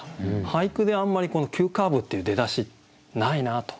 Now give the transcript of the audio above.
俳句であんまり「急カーブ」っていう出だしないなと。